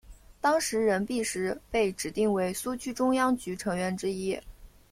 当时任弼时被指定为苏区中央局成员之一。